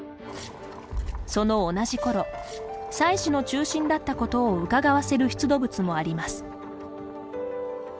その同じころ、祭しの中心だったことをうかがわせる出土物もあります。